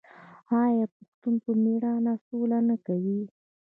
آیا پښتون په میړانه سوله نه کوي؟